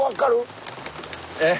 えっ。